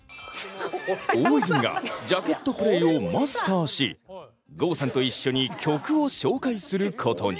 大泉がジャケットプレイをマスターし郷さんと一緒に曲を紹介することに。